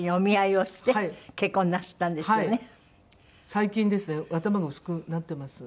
最近ですね頭が薄くなってます。